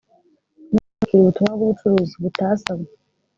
n abakira ubutumwa bw ubucuruzi butasabwe